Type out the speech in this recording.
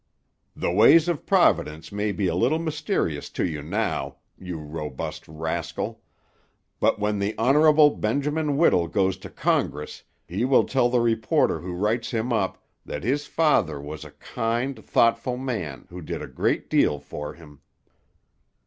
The ways of Providence may be a little mysterious to you now, you robust rascal; but when the Hon. Benjamin Whittle goes to Congress he will tell the reporter who writes him up that his father was a kind, thoughtful man who did a great deal for him."